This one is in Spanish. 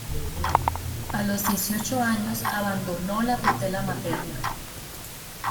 A los dieciocho años abandonó la tutela materna.